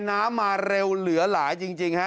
น้ำมาเร็วเหลือหลายจริงฮะ